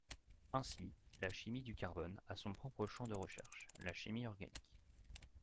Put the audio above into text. Ainsi, la chimie du carbone a son propre champ de recherche, la chimie organique.